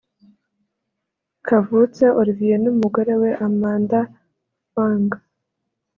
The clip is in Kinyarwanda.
Kavutse Olivier n’umugore we Amanda Fung